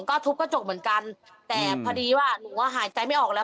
ก็ทุบกระจกเหมือนกันแต่พอดีว่าหนูว่าหายใจไม่ออกแล้ว